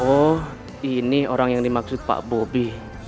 oh ini orang yang dimaksud pak bobi